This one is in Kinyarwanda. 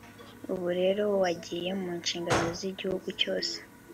ubu rero wagiye mu nshingano z’igihugu cyose